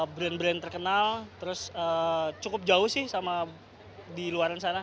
brand brand terkenal terus cukup jauh sih sama di luar sana